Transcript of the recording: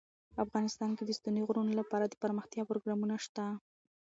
افغانستان کې د ستوني غرونه لپاره دپرمختیا پروګرامونه شته.